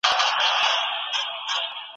د زړه جيب كي يې ساتم انځورونه ،ګلابونه